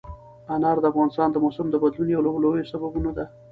انار د افغانستان د موسم د بدلون یو له لویو سببونو ده.